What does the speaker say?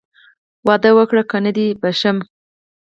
واده وکړه که نه نه دې بښم.